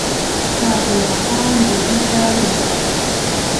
سعدالله خان ډهلي ته ورسېد.